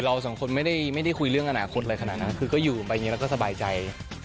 สองคนไม่ได้คุยเรื่องอนาคตอะไรขนาดนั้นคือก็อยู่ไปอย่างนี้แล้วก็สบายใจ